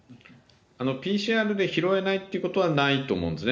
ＰＣＲで拾えないということはないと思うんですね。